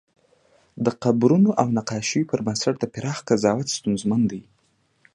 د قبرونو او نقاشیو پر بنسټ پراخ قضاوت ستونزمن دی.